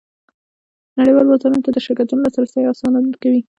نړیوالو بازارونو ته د شرکتونو لاسرسی اسانه کوي